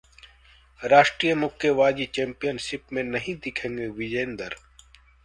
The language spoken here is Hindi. राष्ट्रीय मुक्केबाजी चैम्पियनशिप में नहीं दिखेंगे विजेंदर